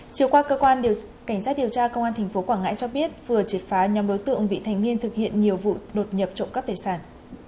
chưa qua cơ quan cảnh sát điều tra công an tp quảng ngãi cho biết vừa triệt phá nhóm đối tượng vị thanh niên thực hiện nhiều vụ đột nhập trộm cấp tài sản